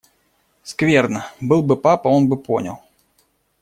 Скверно! Был бы папа, он бы понял.